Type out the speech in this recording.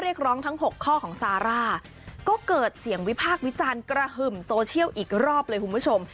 เรียกร้องทั้ง๖ข้อของซาร่าก็เกิดเสียงวิพากษ์วิจารณ์กระหึ่มโซเชียลอีกรอบเลยคุณผู้ชม